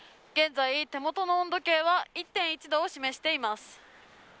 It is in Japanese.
現在、手元の温度計は１．１度を示しています。